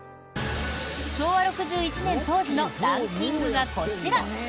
昭和６１年当時のランキングがこちら。